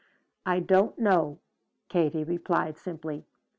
"I don't know," Katie replied simply.